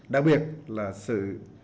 đặc biệt là sự